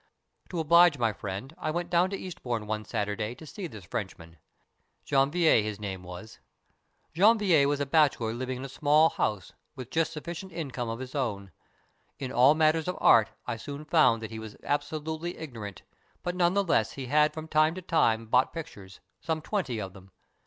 To oblige my friend I went down to Eastbourne one Saturday to see this Frenchman Janvier his name was. Janvier was a bachelor living in a small house, with just suffi cient income of his own. In all matters of art I soon found that he was absolutely ignorant, but none the less he had from time to time bought pictures, some twenty of them.